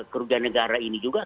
kerugian negara ini juga